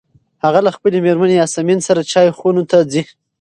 هغه له خپلې مېرمنې یاسمین سره چای خونو ته ځي.